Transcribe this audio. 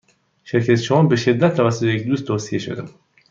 شرکت شما به شدت توسط یک دوست توصیه شده بود.